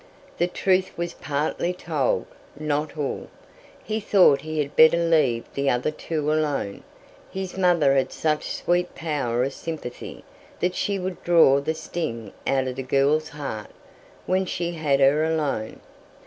The truth was partly told, not all. He thought he had better leave the other two alone. His mother had such sweet power of sympathy, that she would draw the sting out of the girl's heart when she had her alone.